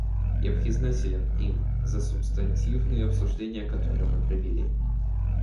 Я признателен им за субстантивные обсуждения, которые мы провели.